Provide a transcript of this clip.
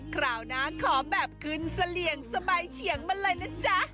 คราวหน้าขอแบบขึ้นเสลี่ยงสบายเฉียงมาเลยนะจ๊ะ